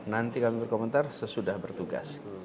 nanti kami berkomentar sesudah bertugas